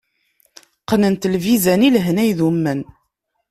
Qqnent lbizan, i lehna idumen.